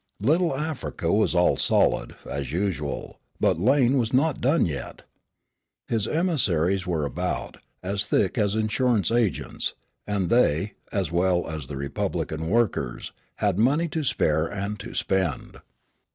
Little Africa was all solid, as usual, but Lane was not done yet. His emissaries were about, as thick as insurance agents, and they, as well as the Republican workers, had money to spare and to spend.